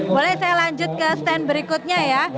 boleh saya lanjut ke stand berikutnya ya